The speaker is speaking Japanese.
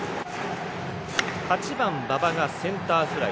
８番、馬場がセンターフライ。